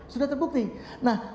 sudah terbukti nah